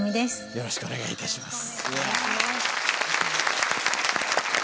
よろしくお願いします。